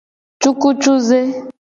Cukucuze.